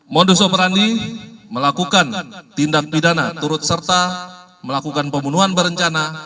modus operandi melakukan tindak pidana turut serta melakukan pembunuhan berencana